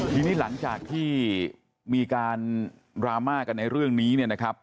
ทีนี้หลังจากที่มีการดราม่ากันในเรื่องนี้เนี่ยนะครับ